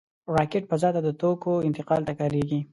راکټ فضا ته د توکو انتقال ته کارېږي